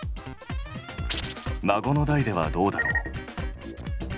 孫の代ではどうだろう？